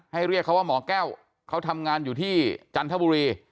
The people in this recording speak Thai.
เรียกเขาว่าหมอแก้วเขาทำงานอยู่ที่จันทบุรี